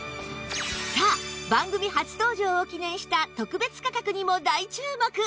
さあ番組初登場を記念した特別価格にも大注目！